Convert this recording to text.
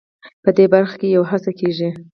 په دې برخه کې یوه هڅه کېږي.